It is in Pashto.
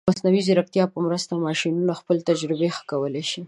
د مصنوعي ځیرکتیا په مرسته، ماشینونه خپله تجربه ښه کولی شي.